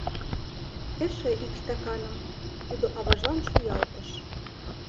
— Эше ик стаканым, — тудо аважлан шуялтыш.